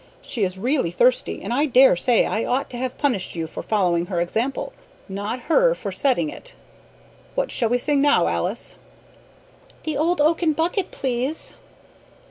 She is really thirsty, and I dare say I ought to have punished you for following her example, not her for setting it. What shall we sing now, Alice?" "The Old Oaken Bucket, please."